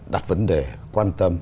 đặt vấn đề quan tâm